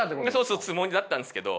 そのつもりだったんですけど。